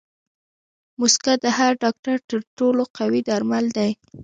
موسکا د هر ډاکټر تر ټولو قوي درمل دي.